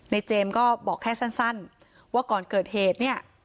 นายเจมส์ก็บอกแค่สั้นว่าก่อนเกิดเหตุ